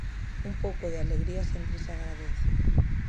Un pouco de alegría sempre se agradece.